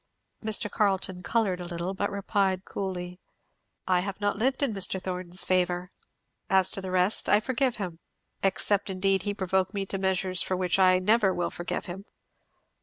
Mr. Carleton coloured a little, but replied coolly, "I have not lived in Mr. Thorn's favour. As to the rest, I forgive him! except indeed he provoke me to measures for which I never will forgive him."